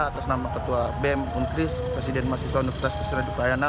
pertama ketua bem unkris presiden masjidun universitas kristina dipayetan